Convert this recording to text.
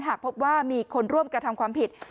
หากพบว่ามีคนร่วมกระทำความผิด